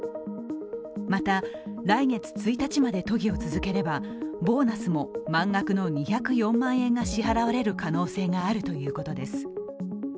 また、来月１日まで都議を続ければボーナスも満額の２０４万円が支払われる可能性があるということです。